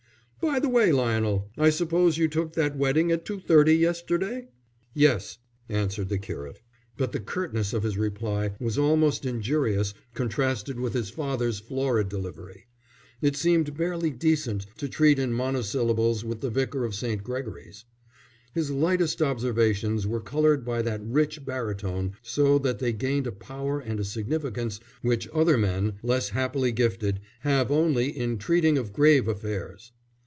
"By the way, Lionel, I suppose you took that wedding at 2.30 yesterday?" "Yes," answered the curate. But the curtness of his reply was almost injurious contrasted with his father's florid delivery; it seemed barely decent to treat in monosyllables with the Vicar of St. Gregory's. His lightest observations were coloured by that rich baritone so that they gained a power and a significance which other men, less happily gifted, have only in treating of grave affairs.